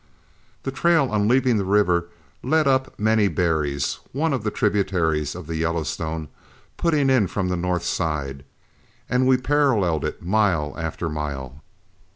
The trail on leaving the river led up Many Berries, one of the tributaries of the Yellowstone putting in from the north side; and we paralleled it mile after mile.